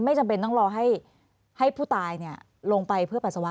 ไม่จำเป็นต้องรอให้ให้ผู้ตายเนี่ยลงไปเพื่อปัสสาวะ